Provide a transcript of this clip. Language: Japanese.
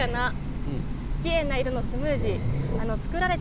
鮮やかなきれいな色のスムージー。